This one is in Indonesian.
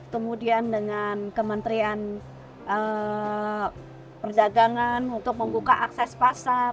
kemudian dengan kementrian perindustrian untuk mengembangkan kemasan yang sesuai standar